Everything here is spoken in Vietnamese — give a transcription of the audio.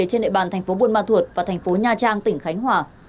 trên nệ bàn tp bộ mạng thuận và tp nha trang tỉnh khánh hòa